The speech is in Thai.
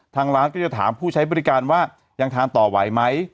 ทางร้านก็จะถามผู้ใช้บริการว่ายังทานต่อไหวไหม